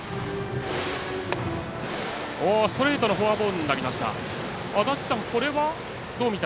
ストレートのフォアボールになりました。